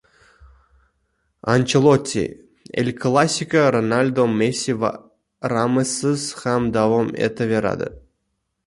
Ancheloti: "El-klasiko" Ronaldu, Messi va Ramossiz ham davom etaveradi"